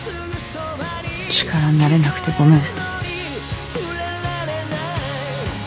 力になれなくてごめん。